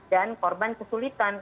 dan korban kesulitan